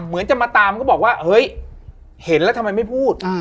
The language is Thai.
เหมือนจะมาตามก็บอกว่าเฮ้ยเห็นแล้วทำไมไม่พูด